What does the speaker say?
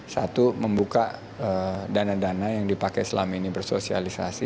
satu membuka dana dana yang dipakai selama ini bersosialisasi